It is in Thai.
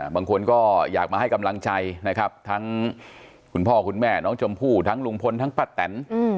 บางคนก็อยากมาให้กำลังใจนะครับทั้งคุณพ่อคุณแม่น้องชมพู่ทั้งลุงพลทั้งป้าแตน